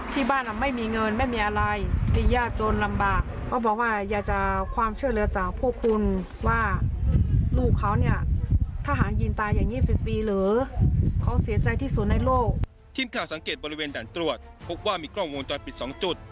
อยากจะสังเกตบริเวณด่านตรวจพบว่ามีกล้องวงจรปิดสองจุด